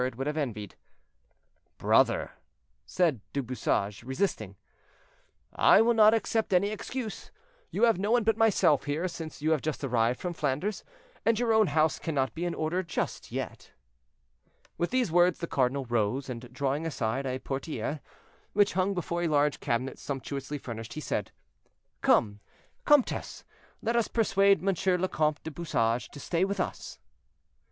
would have envied. "Brother," said De Bouchage, resisting. "I will not accept any excuse; you have no one but myself here, since you have just arrived from Flanders, and your own house cannot be in order just yet." With these words the cardinal rose, and drawing aside a portière, which hung before a large cabinet sumptuously furnished, he said: "Come, comtesse, let us persuade Monsieur le Comte du Bouchage to stay with us."